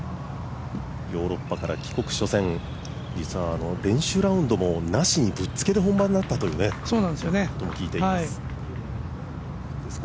ヨーロッパから帰国初戦実は練習ラウンドもなしにぶっつけで本番だったということも聞いています。